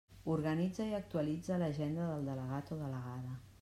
Organitza i actualitza l'agenda del delegat o delegada.